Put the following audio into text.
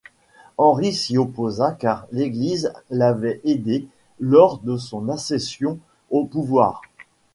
Henri s'y opposa car l'Église l'avait aidé lors de son accession au pouvoir.